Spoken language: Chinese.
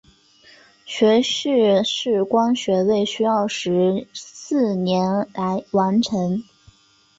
学士视光学位需费时四年来完成。